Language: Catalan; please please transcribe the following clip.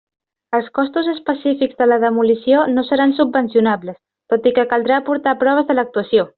Els costos específics de la demolició no seran subvencionables, tot i que caldrà aportar proves de l'actuació.